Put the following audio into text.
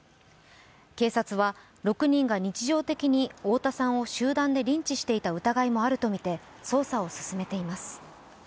警察は、６人が日常的に太田さんを集団でリンチしていた疑いもあるとみて捜査を進めています。